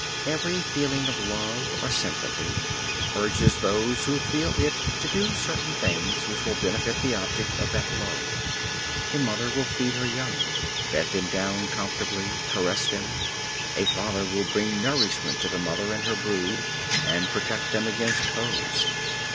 Every feeling of love or sympathy urges those who feel it to do certain things which will benefit the object of that love. A mother will feed her young, bed them down comfortably, caress them; a father will bring nourishment to the mother and her brood, and protect them against foes.